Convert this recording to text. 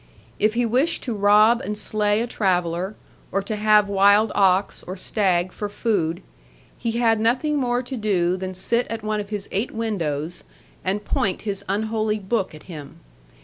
If he wished to rob and slay a traveller, or to have wild ox, or stag for food, he had nothing more to do than sit at one of his eight windows, and point his unholy book at him.